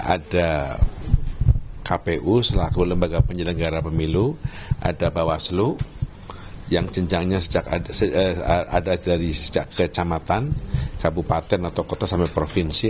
ada kpu selaku lembaga penyelenggara pemilu ada bawaslu yang jenjangnya sejak ada dari sejak kecamatan kabupaten atau kota sampai provinsi